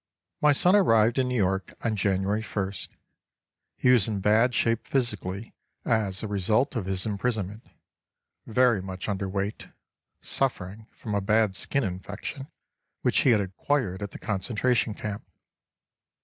My son arrived in New York on January 1st. He was in bad shape physically as a result of his imprisonment: very much under weight, suffering from a bad skin infection which he had acquired at the concentration camp.